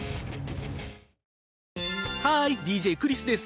ハーイＤＪクリスです。